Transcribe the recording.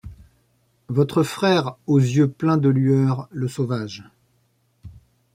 Votre frère aux yeux pleins de lueurs, le sauvage